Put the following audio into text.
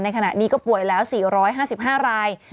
ขณะนี้ก็ป่วยแล้ว๔๕๕ราย